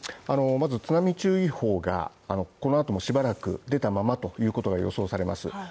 まず津波注意報がこのあともしばらく出たままということが予想されます